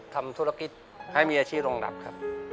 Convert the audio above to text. ทำธุรกิจให้มีอาชีพรองรับครับ